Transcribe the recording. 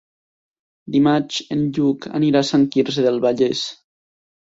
Dimarts en Lluc anirà a Sant Quirze del Vallès.